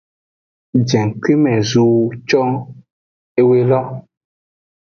Jengkuime ʼzowo con ewe lo.